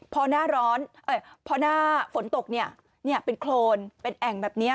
พอหน้าร้อนเอ่ยพอหน้าฝนตกเนี้ยเนี้ยเป็นโคนเป็นแอ่งแบบเนี้ย